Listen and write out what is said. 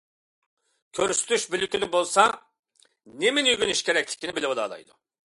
كۆرسىتىش بۆلىكىدە بولسا نېمىنى ئۆگىنىش كېرەكلىكىنى بىلىۋالالايدۇ.